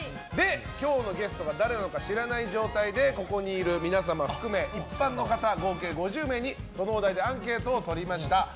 今日のゲストが誰なのか知らない状態でここにいる皆様を含め一般の方、合計５０名にそのお題でアンケートをとりました。